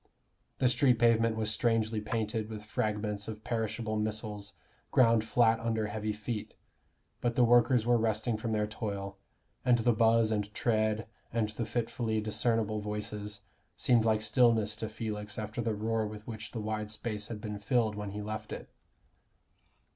The street pavement was strangely painted with fragments of perishable missiles ground flat under heavy feet: but the workers were resting from their toil, and the buzz and tread and the fitfully discernible voices seemed like stillness to Felix after the roar with which the wide space had been filled when he left it.